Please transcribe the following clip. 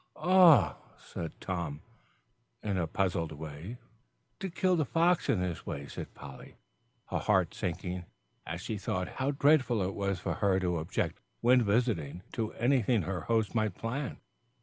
"Eh?" said Tom, in a puzzled way. "To kill the fox in this way," said Polly, her heart sinking as she thought how dreadful it was for her to object, when visiting, to anything her host might plan.